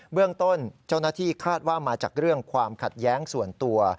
เรื่องต้นเจ้าหน้าที่คาดว่ามาจากเรื่องความขัดแย้งส่วนตัว